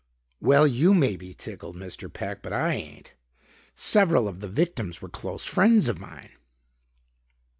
"Well, you may be tickled, Mr. Peck, but I ain't. Several of the victims were close friends of mine."